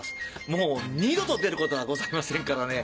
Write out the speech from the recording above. もう二度と出ることはございませんからね。